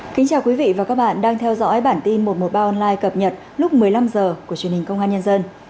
kính chào quý vị và các bạn đang theo dõi bản tin một trăm một mươi ba online cập nhật lúc một mươi năm h của truyền hình công an nhân dân